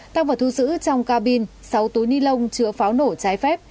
tăng vật thu giữ trong cabin sáu túi ni lông chứa pháo nổ trái phép